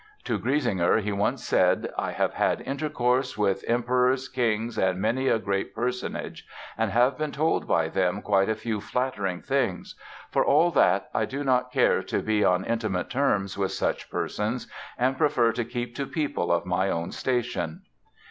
To Griesinger he once said: "I have had intercourse with emperors, kings and many a great personage, and have been told by them quite a few flattering things. For all that, I do not care to be on intimate terms with such persons and prefer to keep to people of my own station."